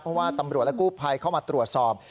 เพราะว่าตำรวจและกู้ภัยเข้ามาตรวจสอบ